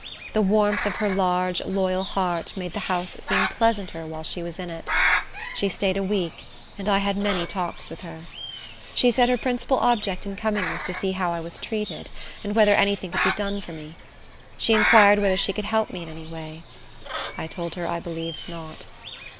The warmth of her large, loyal heart made the house seem pleasanter while she was in it. She staid a week, and I had many talks with her. She said her principal object in coming was to see how I was treated, and whether any thing could be done for me. She inquired whether she could help me in any way. I told her I believed not.